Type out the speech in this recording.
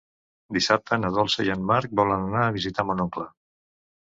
Dissabte na Dolça i en Marc volen anar a visitar mon oncle.